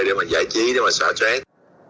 để mà giải trí để mà xóa stress